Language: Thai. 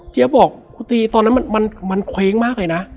บอกคุณตีตอนนั้นมันเคว้งมากเลยนะ